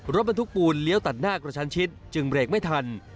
รถบรรทุกปูนเลี้ยวตัดหน้ากระชันชิดจึงเบรกไม่ทัน